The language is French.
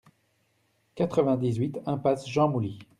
quatre-vingt-dix-huit impasse Jean Mouly